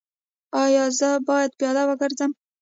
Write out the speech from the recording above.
ایا زه باید پیاده وګرځم؟